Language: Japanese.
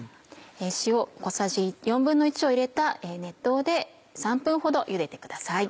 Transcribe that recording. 塩小さじ１／４を入れた熱湯で３分ほどゆでてください。